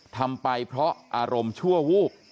ทำไปเพราะอารมณ์ชั่ววูบ